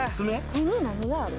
手に何がある？